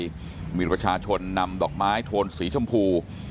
มีประชาชนนำดอกไม้โทนสีชมพู